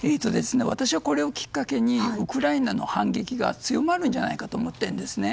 私はこれをきっかけにウクライナの反撃が強まるんじゃないかと思っているんですね。